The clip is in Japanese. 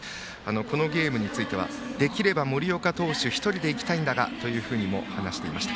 このゲームについてはできれば森岡投手１人でいきたいんだがと話していました。